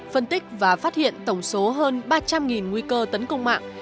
phân tích và phát hiện tổng số hơn ba trăm linh nguy cơ tấn công mạng